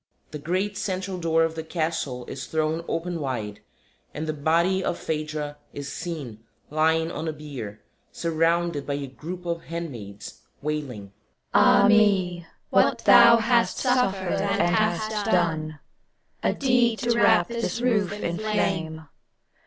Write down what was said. [The great central door of the Castle is thrown open wide, and the body of PHAEDRA is seen lying on a bier, surrounded by a group of Handmaids, wailing.] THE HANDMAIDS Ah me, what thou hast suffered and hast done: A deed to wrap this roof in flame!